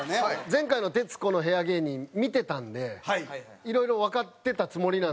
前回の徹子の部屋芸人見てたんで色々わかってたつもりなんですけど。